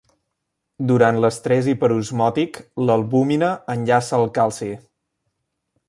Durant l'estrès hiperosmòtic l'albúmina enllaça el calci.